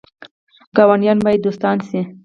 ګاونډیان باید دوستان شي